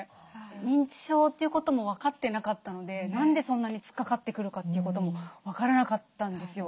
認知症ということも分かってなかったので何でそんなに突っかかってくるかということも分からなかったんですよ。